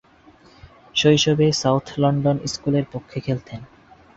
শৈশবে South London স্কুলের পক্ষে খেলতেন।